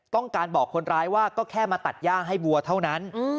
ต้องการบอกคนร้ายว่าก็แค่มาตัดย่างให้วัวเท่านั้น